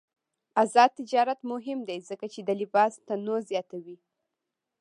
آزاد تجارت مهم دی ځکه چې د لباس تنوع زیاتوي.